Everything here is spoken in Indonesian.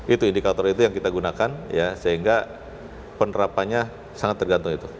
itu indikator yang kita gunakan sehingga penerapannya sangat tergantung